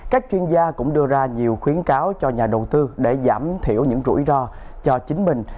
các chuyên gia cũng đưa ra nhiều khuyến cáo cho nhà đầu tư để giảm thiểu những rủi ro cho chính mình